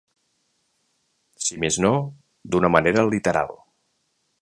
Si més no, d’una manera literal.